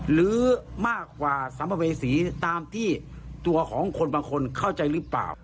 หรือมากกว่าสัมภเวษีตามที่ตัวของคนบางคนเข้าใจหรือเปล่า